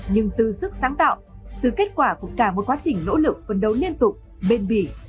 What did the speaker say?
nhưng từ sức sáng tạo từ kết quả của cả một quá trình nỗ lực phân đấu liên tục bền bỉ